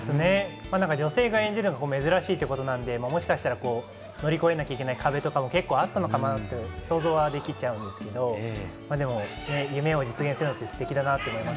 女性が演じるのは珍しいということで、乗り越えなきゃいけない壁が結構あったのかなと、想像できちゃうんですけれど、夢を実現するってステキだなと思いました。